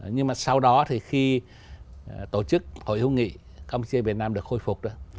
nhưng mà sau đó thì khi tổ chức hội hữu nghị campuchia việt nam được khôi phục đó